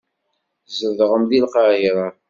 Tzedɣem deg Lqahira.